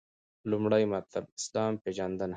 لومړی مطلب : اسلام پیژندنه